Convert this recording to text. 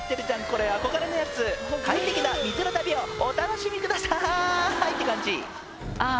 これ憧れのやつ快適な水の旅をお楽しみくださいって感じああ